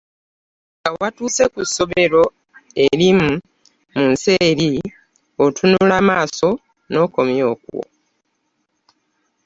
Nga watuuse ku ssomero erimu mu nsi eri otunula amaaso n’okomya okwo.